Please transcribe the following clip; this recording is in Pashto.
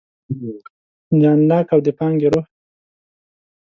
جان لاک او د پانګې روح